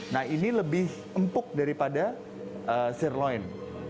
nah ini lebih empuk daripada sirloin